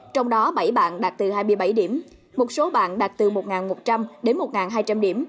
trong đó bảy bạn đạt từ hai mươi bảy điểm một số bạn đạt từ một một trăm linh đến một hai trăm linh điểm